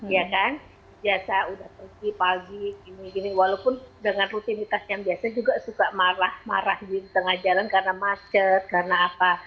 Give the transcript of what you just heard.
ya kan biasa udah pergi pagi gini gini walaupun dengan rutinitas yang biasa juga suka marah marah di tengah jalan karena macet karena apa